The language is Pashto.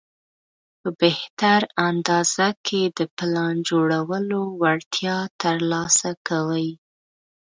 په بهتر انداز کې د پلان جوړولو وړتیا ترلاسه کوي.